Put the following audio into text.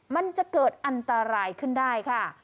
มันจะเกิดอันตรายขึ้นได้ค่ะ